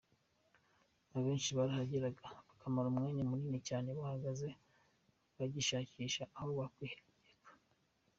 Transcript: Abenshi barahageraga bakamara umwanya munini cyane bahagaze bagishakisha aho bakwihengeka.